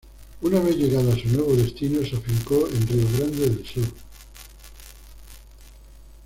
Una vez llegado a su nuevo destino, se afincó en Río Grande del Sur.